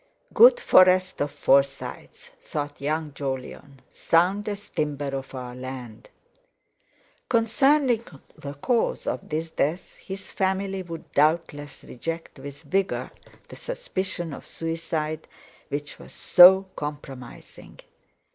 Good forest of Forsytes! thought young Jolyon—soundest timber of our land! Concerning the cause of this death—his family would doubtless reject with vigour the suspicion of suicide, which was so compromising!